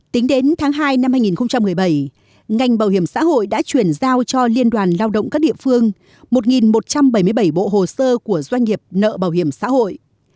tính đến tháng hai năm hai nghìn một mươi bảy ngành bảo hiểm xã hội đã chuyển giao cho liên đoàn lao động các địa phương một một trăm bảy mươi bảy bộ hồ sơ của doanh nghiệp nợ bảo hiểm xã hội